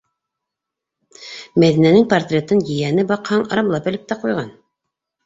Мәҙинәнең портретын ейәне, баҡһаң, рамлап элеп тә ҡуйған.